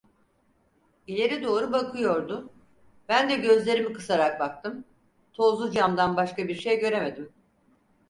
İleri doğru bakıyordu, ben de gözlerimi kısarak baktım, tozlu camdan başka bir şey göremedim.